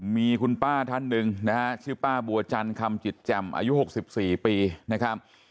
มีคุณป้าท่านหนึ่งนะฮะชื่อป้าบัวจันคำจิตแจ่มอายุ๖๔ปีนะครับ